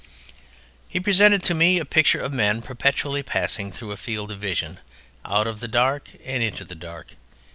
He presented to me a picture of men perpetually passing through a field of vision out of the dark and into the dark.